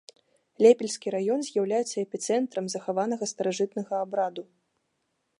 Лепельскі раён з'яўляецца эпіцэнтрам захаванага старажытнага абраду.